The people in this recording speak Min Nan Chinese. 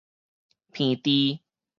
鼻痔